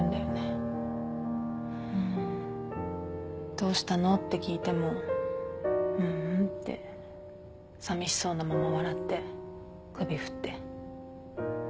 どうしたのって聞いても「ううん」ってさみしそうなまま笑って首振って。